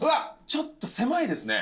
ちょっと狭いですね。